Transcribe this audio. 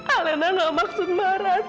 alena nggak maksud marah tante